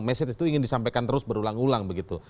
message itu ingin disampaikan terus berulang ulang begitu